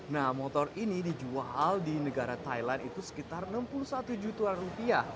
nah motor ini dijual di negara thailand itu sekitar rp enam puluh satu juta rupiah